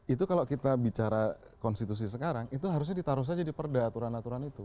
itu kalau kita bicara konstitusi sekarang itu harusnya ditaruh saja di perda aturan aturan itu